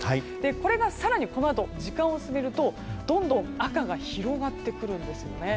これが更にこのあと時間を進めるとどんどん赤が広がってくるんですね。